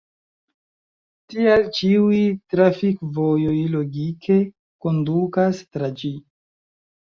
Tial ĉiuj trafikvojoj logike kondukas tra ĝi.